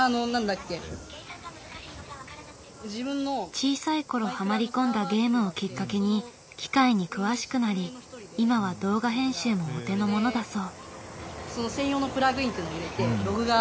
小さいころはまり込んだゲームをきっかけに機械に詳しくなり今は動画編集もお手のものだそう。